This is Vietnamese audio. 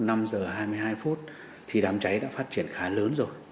nhưng lại khó tiếp cận để giải cứu các nạn nhân